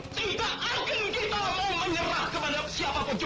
merah dan putih